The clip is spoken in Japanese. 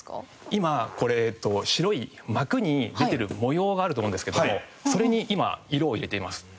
今これ白い幕に出てる模様があると思うんですけどもそれに今色を入れています。